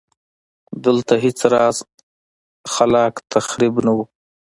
دلته هېڅ راز خلاق تخریب نه و